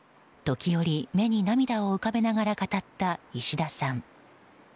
時折、目に涙を浮かべながら語った石田さん。